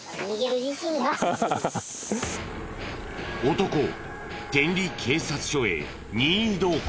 男を天理警察署へ任意同行。